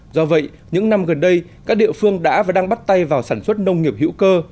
do vậy những năm gần đây các địa phương đã và đang bắt tay vào sản xuất nông nghiệp hữu cơ